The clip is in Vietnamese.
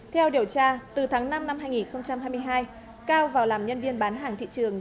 theo điều tra từ tháng năm năm hai nghìn hai mươi hai cao vào làm nhân viên bán hàng thị trường